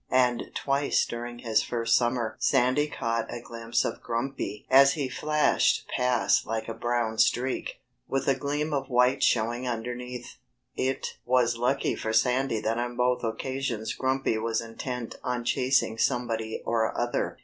And twice during his first summer Sandy caught a glimpse of Grumpy as he flashed past like a brown streak, with a gleam of white showing underneath. It was lucky for Sandy that on both occasions Grumpy was intent on chasing somebody or other.